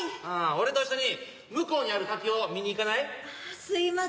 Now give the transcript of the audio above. ああ俺と一緒に向こうにある滝を見に行かない？